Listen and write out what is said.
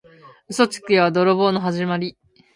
嘘つきは泥棒のはじまり。